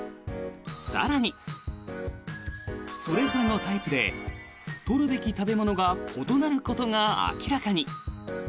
更に、それぞれのタイプで取るべき食べ物が異なることが明らかに。